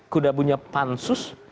sudah punya pansus